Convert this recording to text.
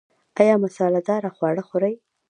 ایا مساله داره خواړه خورئ؟